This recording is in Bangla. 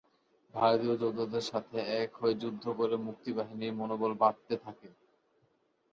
ভারতীয় যোদ্ধাদের সাথে এক হয়ে যুদ্ধ করে মুক্তিবাহিনীর মনোবল বাড়তে থাকে।